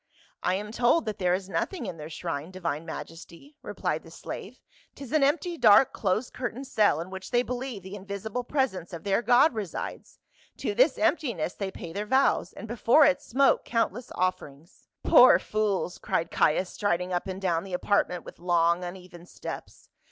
" I am told that there is nothing in their shrine, di vine majesty," replied the slave. 'Tis an empty dark close curtained cell in which they believe the in visible presence of their God resides ; to this empti ness they pay their vows, and before it smoke count less offerings." " Poor fools !" cried Caius, striding up and down the apartment with long uneven steps.